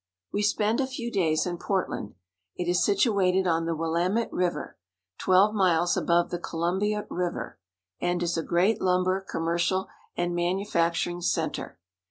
We spend a few days in Portland. It is situated on the Willamette River, twelve miles above the Columbia River, and is a great lumber, commercial, and manufacturing cen ter.